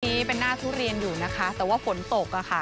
นี้เป็นหน้าทุเรียนอยู่นะคะแต่ว่าฝนตกอะค่ะ